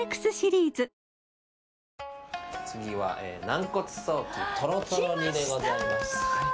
次は軟骨ソーキとろとろ煮でございます。